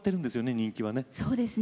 人気はね。